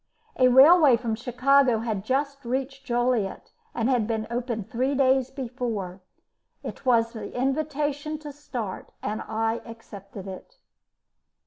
A railway from Chicago had just reached Joliet, and had been opened three days before. It was an invitation to start, and I accepted it.